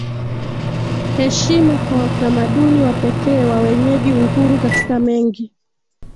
heshima kwa utamaduni wa pekee wa wenyeji Uhuru katika mengi